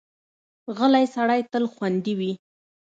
غلی سړی تل خوندي وي.